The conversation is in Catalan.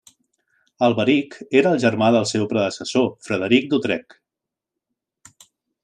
Alberic era el germà del seu predecessor Frederic d'Utrecht.